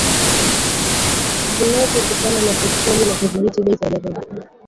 zinazotokana na petroli na kudhibiti bei za rejareja